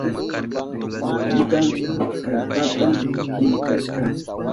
Ñuka kartata killkasha.